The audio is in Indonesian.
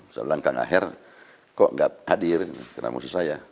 saya bilang kang aher kok tidak hadir kenapa harus saya